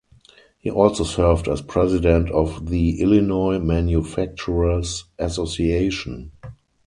He also served as President of the Illinois Manufacturers Association.